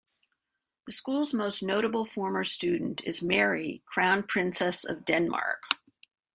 The school's most notable former student is Mary, Crown Princess of Denmark.